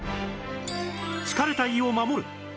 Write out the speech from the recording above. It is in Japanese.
疲れた胃を守る！